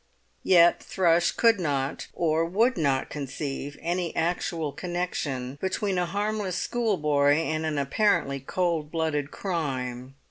Yet Thrush could not or would not conceive any actual connection between a harmless schoolboy and an apparently cold blooded crime.